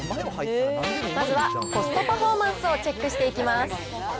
まずはコストパフォーマンスをチェックしていきます。